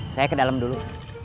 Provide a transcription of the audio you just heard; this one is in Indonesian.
saya ke dalam dulu